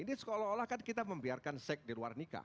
ini seolah olah kan kita membiarkan seks di luar nikah